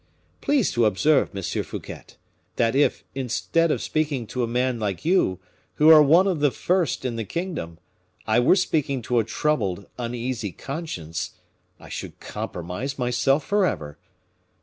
Please to observe, Monsieur Fouquet, that if, instead of speaking to man like you, who are one of the first in the kingdom, I were speaking to a troubled, uneasy conscience I should compromise myself forever.